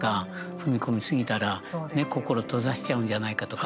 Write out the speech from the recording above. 踏み込みすぎたら心閉ざしちゃうんじゃないかとか。